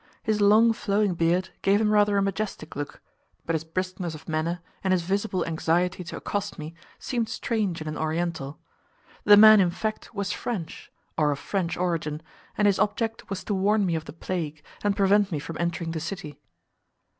His long flowing beard gave him rather a majestic look, but his briskness of manner, and his visible anxiety to accost me, seemed strange in an Oriental. The man in fact was French, or of French origin, and his object was to warn me of the plague, and prevent me from entering the city.